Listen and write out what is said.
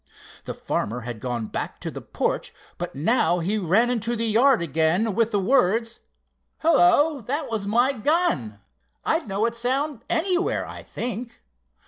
The farmer had gone back to the porch, but now he ran down into the yard again with the words: "Hello! that was my gun—I'd know its sound anywhere, I think."